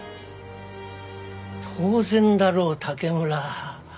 当然だろ竹村。